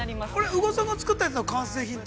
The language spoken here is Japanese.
◆宇賀さんが作ったやつの完成品って。